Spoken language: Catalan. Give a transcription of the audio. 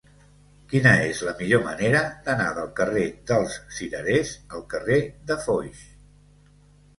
Quina és la millor manera d'anar del carrer dels Cirerers al carrer de Foix?